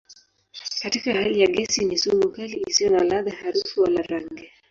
Katika hali ya gesi ni sumu kali isiyo na ladha, harufu wala rangi.